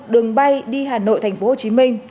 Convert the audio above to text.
đường bay đi hà nội thành phố hồ chí minh